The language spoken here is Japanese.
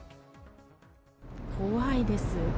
怖いです。